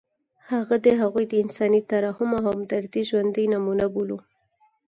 هغه د هغوی د انساني ترحم او همدردۍ ژوندۍ نمونه بولو.